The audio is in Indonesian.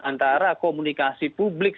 antara komunikasi publik